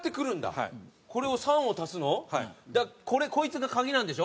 だからこいつが鍵なんでしょ？